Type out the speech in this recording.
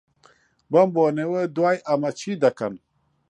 بەم بۆنەیەوە، دوای ئەمە چی دەکەن؟